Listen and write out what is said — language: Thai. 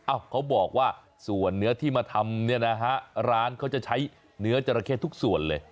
เขาบอกว่าส่วนเนื้อที่มาทำเนี่ยนะฮะร้านเขาจะใช้เนื้อจราเข้ทุกส่วนเลย